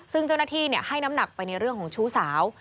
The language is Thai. ซึ่งเจ้าหน้าที่ให้น้ำหนักไปในเรื่องของชู้สาว